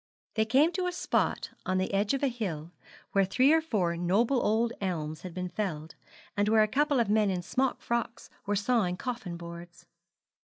They came to a spot on the edge of a hill where three or four noble old elms had been felled, and where a couple of men in smock frocks were sawing coffin boards.